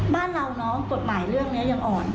บ้านเราน้องกฎหมายเรื่องนี้ยังอ่อน